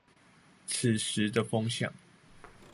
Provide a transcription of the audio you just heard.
此時的風向